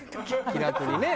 気楽にね。